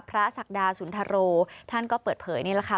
พระศักดาศุลธารูท่านก็เปิดเผยนี่แหละค่ะ